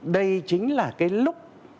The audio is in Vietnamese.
đây chính là cái lúc